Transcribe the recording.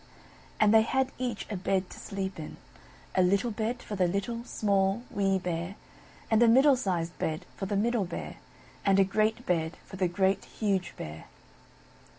And they had each a bed to sleep in; a little bed for the Little, Small, Wee Bear; and a middle sized bed for the Middle Bear; and a great bed for the Great, Huge Bear.